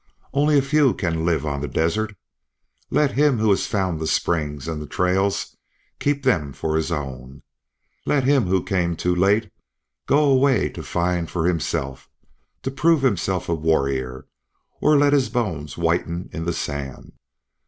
Only a few can live on the desert. Let him who has found the springs and the trails keep them for his own. Let him who came too late go away to find for himself, to prove himself a warrior, or let his bones whiten in the sand.